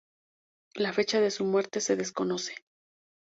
La fecha de su muerte se desconoce.